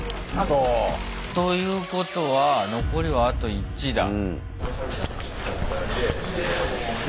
ということは残りはあと１だ。